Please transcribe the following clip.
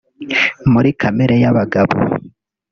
muri kamere y’abagabo